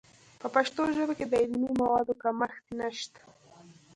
په پښتو ژبه کې د علمي موادو کمښت نشته.